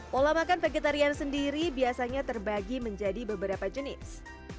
pola makan vegetarian sendiri biasanya terbagi menjadi beberapa jenis